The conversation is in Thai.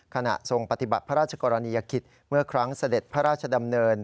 ขณะทรงปฏิบัติพระราชกรณียกิจเมื่อครั้งเสด็จพระราชดำเนิน